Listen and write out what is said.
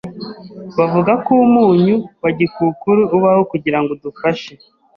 bavuga ko umunyu wa gikukuru ubaho kugirango udufashe